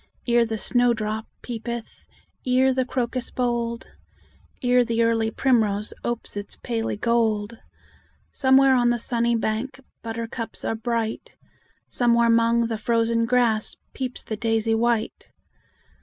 Ere the snowdrop peepeth, Ere the crocus bold, Ere the early primrose Opes its paly gold, Somewhere on the sunny bank Buttercups are bright; Somewhere 'mong the frozen grass Peeps the daisy white.